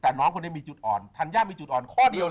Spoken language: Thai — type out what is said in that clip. แต่น้องคนนี้ธัญญามีจุดอ่อน